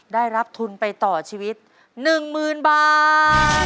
ได้รับทุนไปต่อชีวิตหนึ่งหมื่นบาท